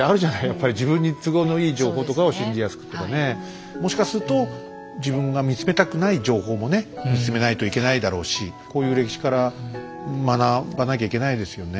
やっぱり自分に都合のいい情報とかを信じやすくとかね。もしかすると自分が見つめたくない情報もね見つめないといけないだろうしこういう歴史から学ばなきゃいけないですよね。